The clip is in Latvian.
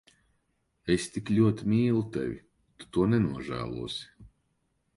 Es tik ļoti mīlu tevi. Tu to nenožēlosi.